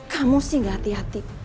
kamu sih gak hati hati